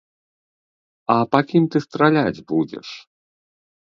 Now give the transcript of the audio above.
А па кім ты страляць будзеш?